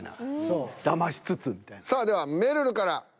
さあではめるるから。